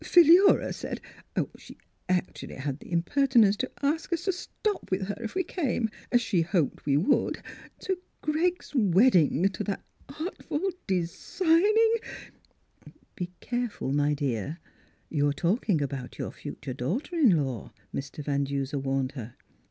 Philura said — She actually had the imperti nence to ask us to stop with her, if we came — as she hoped we would — to Greg's wedding to that artful, designing —"" Be careful, my dear ; you're talking about your future daughter in law," Mr. Van Duser warned her.